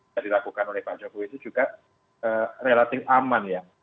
yang dilakukan oleh pak jokowi itu juga relatif aman ya